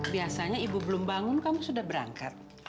biasanya ibu belum bangun kamu sudah berangkat